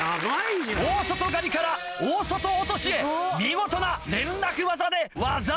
大外刈から大外落へ見事な連絡技で技あり！